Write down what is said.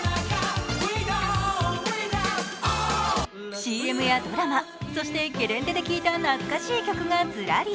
ＣＭやドラマ、そしてゲレンデで聴いたなつかしい曲がずらり。